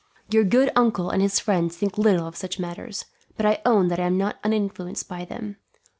"Your good uncle and his friends think little of such matters, but I own that I am not uninfluenced by them.